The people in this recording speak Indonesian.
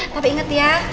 tapi inget ya